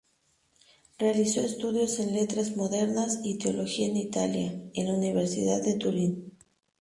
Realizó estudios en letras modernas y teología en Italia, en la Universidad de Turín.